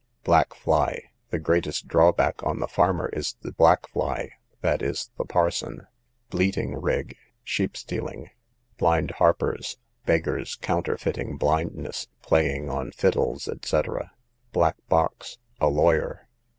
Black fly, the greatest drawback on the farmer is the black fly, i.e. the parson. Bleating rig, sheep stealing. Blind harpers, beggars counterfeiting blindness, playing on fiddles, &c. Black box, a lawyer.